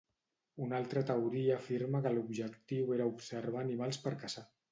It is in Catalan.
Una altra teoria afirma que l'objectiu era observar animals per caçar.